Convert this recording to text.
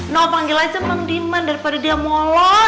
nol panggil aja mang diman daripada dia molot